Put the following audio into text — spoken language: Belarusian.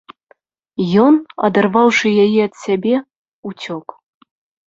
Ён, адарваўшы яе ад сябе, уцёк.